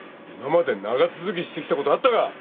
今まで長続きしてきたことあったか。